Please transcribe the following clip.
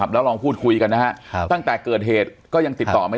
แล้วลองพูดคุยกันนะฮะตั้งแต่เกิดเหตุก็ยังติดต่อไม่